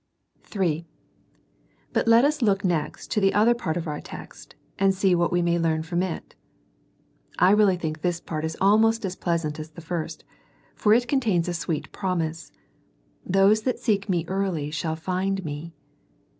III. But let us look next to the other part of our text, and see what we may learn from it. I really think this part is almost as pleasant as the first, for it contains a sweet promise :" Those that seek Me early shall find Me."